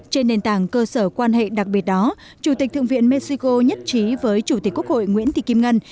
trên nền tảng cơ sở quan hệ đặc biệt đó chủ tịch thượng viện mexico nhất trí với chủ tịch quốc hội nguyễn thị kim ngân